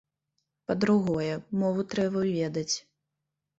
Па-другое, мову трэба ведаць.